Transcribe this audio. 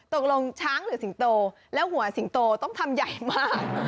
ตกลงช้างหรือสิงโตแล้วหัวสิงโตต้องทำใหญ่มาก